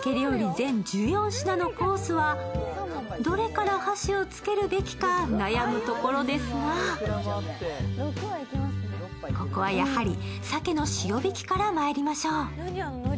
全１４品のコースはどれから箸をつけるべきか悩むところですが、ここはやはり、鮭の塩引きからまいりましょう。